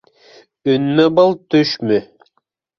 Өнмө был, төшмө?